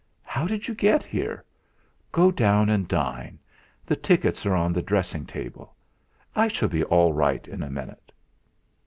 How did you get here? Go down and dine the tickets are on the dressing table. I shall be all right in a minute."